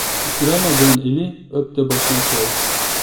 Isıramadığın eli öp de başına koy.